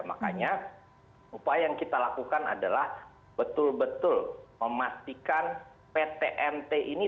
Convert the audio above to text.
makanya upaya yang kita lakukan adalah betul betul memastikan ptmt ini